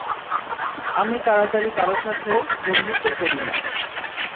আমি তাড়াতাড়ি কারও সাথে, বন্ধুত্ব করি না।